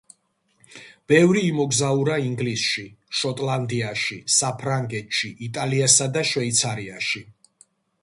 ბევრი იმოგზაურა ინგლისში, შოტლანდიაში, საფრანგეთში, იტალიასა და შვეიცარიაში.